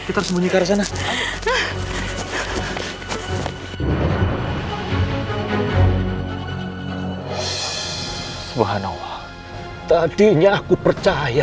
kita harus sembunyi ke arah sana